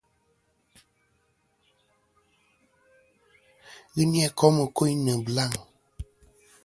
Ghɨ ni-a kôm kuyn nɨ̀ blaŋ.